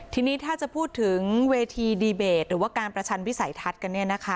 ทีนี้ถ้าจะพูดถึงเวทีดีเบตหรือว่าการประชันวิสัยทัศน์กัน